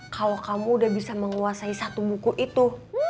kalau kamu udah bisa menguasai satu buku itu